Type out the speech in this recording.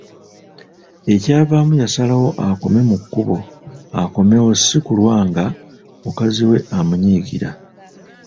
Ekyavaamu yasalawo akome mu kkubo akomewo si kulwa nga mukazi we amunyiigira.